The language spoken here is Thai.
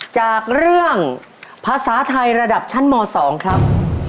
จากเรื่องภาษาไทยระดับชั้นม๒ครับ